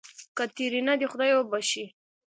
کاتېرينا دې خداى وبښي.